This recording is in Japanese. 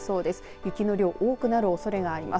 雪の量、多くなるおそれがあります。